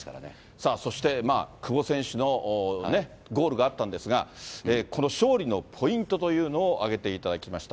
さあそして、久保選手のね、ゴールがあったんですが、この勝利のポイントというのを挙げていただきました。